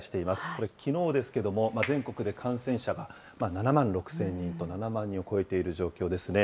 これ、きのうですけれども、全国で感染者が７万６０００人と、７万人を超えている状況ですね。